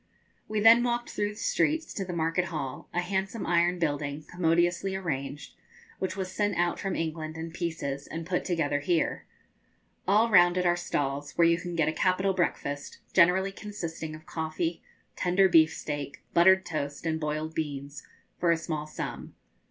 We then walked through the streets to the market hall, a handsome iron building, commodiously arranged, which was sent out from England in pieces, and put together here. All round it are stalls, where you can get a capital breakfast, generally consisting of coffee, tender beef steak, buttered toast, and boiled beans, for a small sum.